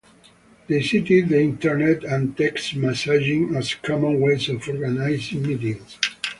They cited the Internet and text messaging as common ways of organising meetings.